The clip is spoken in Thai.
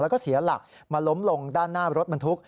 แล้วก็เสียหลักมาล้มลงด้านหน้ารถบรรทุก